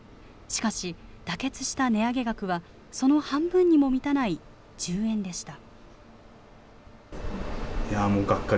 しかし、妥結した値上げ額は、その半分にも満たない１０円でした。